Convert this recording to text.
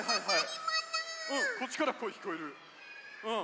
こっちからこえきこえるうん。